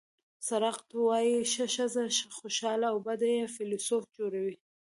سقراط وایي ښه ښځه خوشالي او بده یې فیلسوف جوړوي.